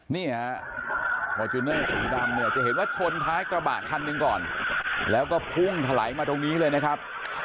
นี่ฮะฟอร์จูเนอร์สีดำเนี่ยจะเห็นว่าชนท้ายกระบะคันหนึ่งก่อนแล้วก็พุ่งถลายมาตรงนี้เลยนะครับ